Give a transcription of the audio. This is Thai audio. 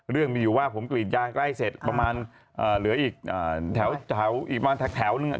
เรื่องมีอยู่ว่าผมกลีนยากใกล้เสร็จประมาณเหลืออีกแถวหนึ่ง